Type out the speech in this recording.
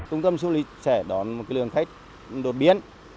trung tâm du lịch sẽ đón một lượng khách đột biến